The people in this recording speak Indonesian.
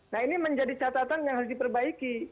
nah ini menjadi catatan yang harus diperbaiki